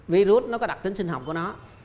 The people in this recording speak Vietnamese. virus nó có đặc tính sinh học của nó